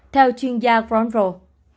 theo chuyên gia granville